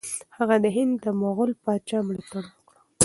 هغه د هند د مغول پاچا ملاتړ وکړ.